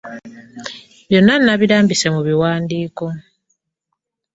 Byonna nabirambise mu biwandiiko.